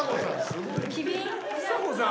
すごいな。